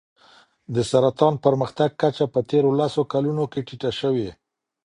د سرطان پرمختګ کچه په تېرو لسو کلونو کې ټیټه شوې.